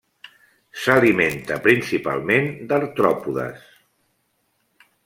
S'alimenta principalment d'artròpodes.